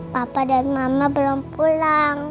papa dan mama belum pulang